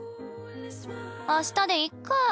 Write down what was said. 明日でいっか。